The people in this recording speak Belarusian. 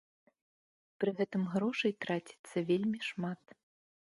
Пры гэтым грошай траціцца вельмі шмат.